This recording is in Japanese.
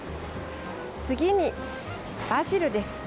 次にバジルです。